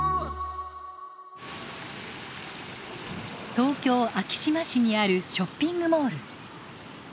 東京・昭島市にあるショッピングモール。